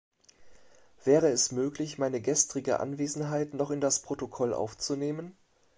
Wäre es möglich, meine gestrige Anwesenheit noch in das Protokoll aufzunehmen?